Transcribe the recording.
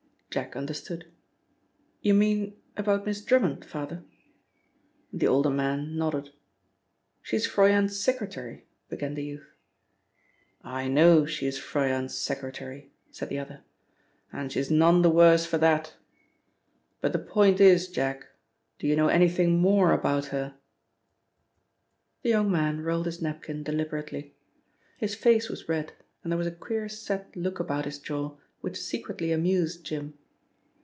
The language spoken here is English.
Jack understood. "You mean about Miss Drummond, father?" The older man nodded. "She's Froyant's secretary," began the youth. "I know she is Froyant's secretary," said the other, "and she's none the worse for that. But the point is, Jack, do you know anything more about her?" The young man rolled his napkin deliberately. His face was red and there was a queer set look about his jaw which secretly amused Jim.